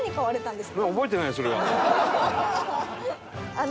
あの。